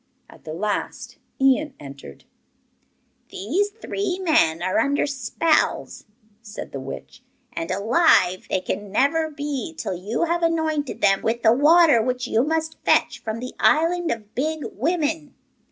At the last Ian entered. 'These men are under spells,' said the witch, 'and alive they can never be till you have anointed them with the water which you must fetch from the island of Big Women.